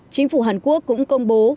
chính phủ hàn quốc cũng công bố